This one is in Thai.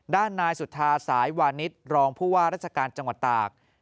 ด้านนายสุธาสายวานิสรองผู้ว่าราชการจังหวัดตาก